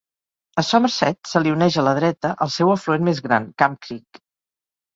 A Somerset, se li uneix a la dreta el seu afluent més gran, Camp Creek.